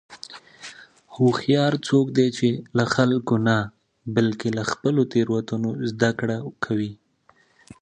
هوښیار څوک دی چې له خلکو نه، بلکې له خپلو تېروتنو زدهکړه کوي.